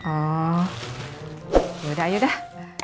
oh yaudah yaudah